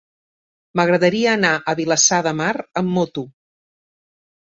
M'agradaria anar a Vilassar de Mar amb moto.